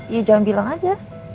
ya jangan bilang aja